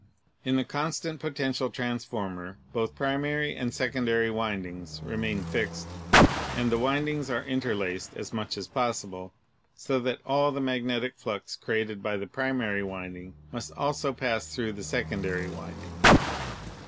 In the constant potential transformer both primary and sec ondary windings remain fixed and the windings are inter laced as much as possible, so that all the magnetic flux created by the primary winding must also pass through the secondary winding.